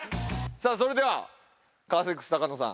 さあそれではカーセックス高野さん。